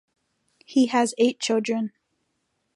He has eight children.